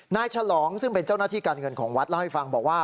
ฉลองซึ่งเป็นเจ้าหน้าที่การเงินของวัดเล่าให้ฟังบอกว่า